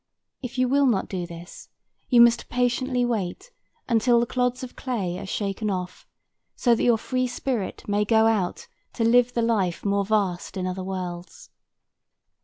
If you will not do this, you must patiently wait until the clods of clay are shaken off, so that your free spirit may go out to live the life more vast in other worlds.